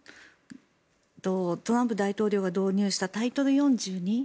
トランプ大統領が導入したタイトル４２。